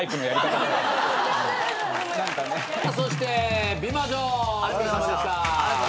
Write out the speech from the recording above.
そして美魔女お疲れさまでした。